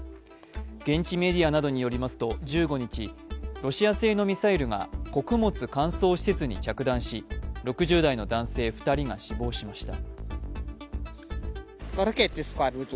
現地メディアなどによりますと１５日、ロシア製のミサイルが穀物乾燥施設に着弾し６０代の男性２人が死亡しました。